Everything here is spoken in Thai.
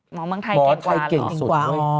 หมอไทยเก่งกว่า